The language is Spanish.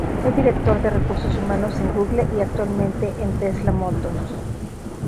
Fue director de Recursos Humanos en Google y actualmente en Tesla Motors.